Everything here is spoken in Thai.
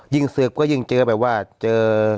ยิ่งเสือกก็ยิ่งเจอแบบว่าเจอ